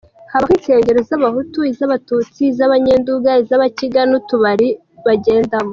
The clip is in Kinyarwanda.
Habaho insengero z’abahutu, iz’abatutsi, iz’abanyenduga, iz’abakiga n’utubari bagendamo.’’